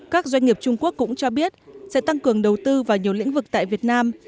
các doanh nghiệp trung quốc cũng cho biết sẽ tăng cường đầu tư vào nhiều lĩnh vực tại việt nam